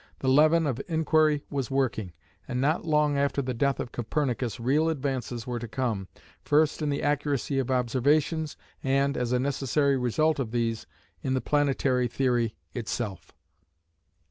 The leaven of inquiry was working, and not long after the death of Copernicus real advances were to come, first in the accuracy of observations, and, as a necessary result of these, in the planetary theory itself.